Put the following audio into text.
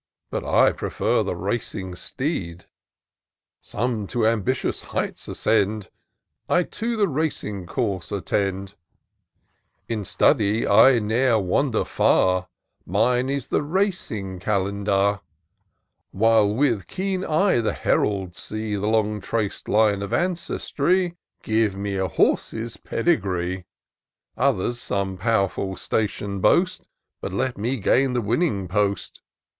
But I prefer the racing steed : Some to Ambition's heights ascend ; I to the Racing course attend : In study, I ne'er wander far ; Mine is the Racing Calendar : While with keen eye the heralds see The long trac'd line of ancestry. Give me a horse's pedigree. Others some pow'rful station boast ; But let me gain the winning post.